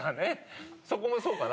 そこもそうかな？